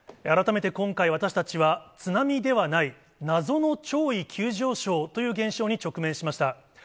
改めて今回、私たちは津波ではない、謎の潮位急上昇という現象に直面しました。